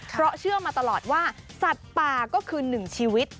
เพราะเชื่อมาตลอดว่าสัตว์ป่าก็คือหนึ่งชีวิต